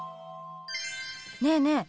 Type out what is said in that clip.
ねえねえ